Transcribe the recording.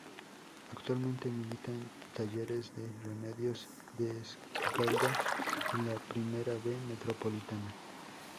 Actualmente milita en Talleres de Remedios de Escalda de la Primera B Metropolitana.